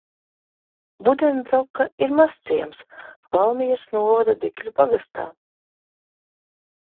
Budenbroka ir mazciems Valmieras novada Dikļu pagastā.